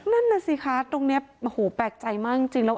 นั่นน่ะสิคะตรงนี้โอ้โหแปลกใจมากจริงแล้ว